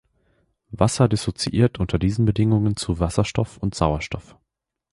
Wasser dissoziiert unter diesen Bedingungen zu Wasserstoff und Sauerstoff.